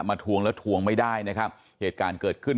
ทวงแล้วทวงไม่ได้นะครับเหตุการณ์เกิดขึ้น